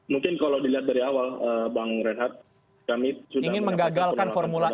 mungkin kalau dilihat dari awal bang reinhardt kami sudah menggagalkan pendapatan tentang formula e